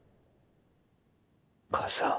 「母さん。